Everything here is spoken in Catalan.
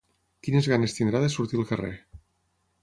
Quines ganes tindrà de sortir al carrer.